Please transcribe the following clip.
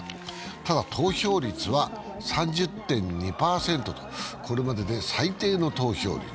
ただ投票率は３０．２％とこれまでで最低の投票率。